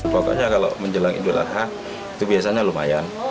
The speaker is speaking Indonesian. pokoknya kalau menjelang idul adha itu biasanya lumayan